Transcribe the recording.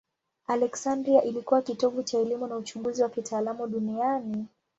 Aleksandria ilikuwa kitovu cha elimu na uchunguzi wa kitaalamu duniani.